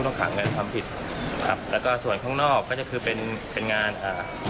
แล้วก็ส่วนข้างนอกก็จะคือเป็นงานค่ะ